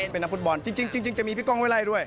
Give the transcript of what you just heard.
เป็นนักฟุตบอลจริงจะมีพี่ก้องไว้ไล่ด้วย